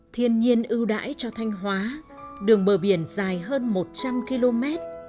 thiên nhiên ưu đãi cho thanh hóa đường bờ biển dài hơn một trăm linh km